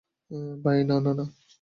By না, না, না।